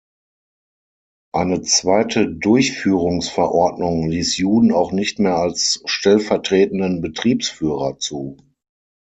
Eine zweite Durchführungsverordnung ließ Juden auch nicht mehr als „Stellvertretenden Betriebsführer“ zu.